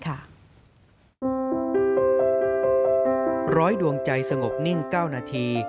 ร้อยดวงใจสงบนิ่ง๙นาที